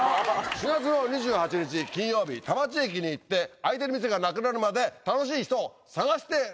４月２８日金曜日田町駅に行って開いてる店がなくなるまで楽しい人を探してらっしゃい。